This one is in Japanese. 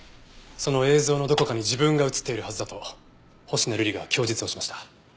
その映像のどこかに自分が映っているはずだと星名瑠璃が供述をしました。